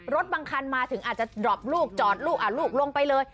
บางคันมาถึงอาจจะดรอปลูกจอดลูกลูกลงไปเลย